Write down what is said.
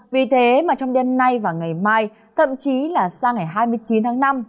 vì thế mà trong đêm nay và ngày mai thậm chí là sang ngày hai mươi chín tháng năm